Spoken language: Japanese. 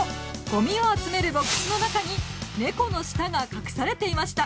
ゴミを集めるボックスの中にネコの舌が隠されていました！